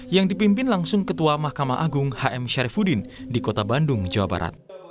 yang dipimpin langsung ketua mahkamah agung hm syarifudin di kota bandung jawa barat